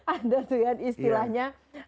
ada tuh ya istilahnya